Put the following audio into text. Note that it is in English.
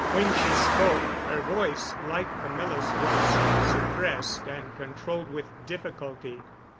When she spoke, her voice, like Camilla's, was suppressed and controlled with difficulty.